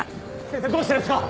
先生どうしてですか？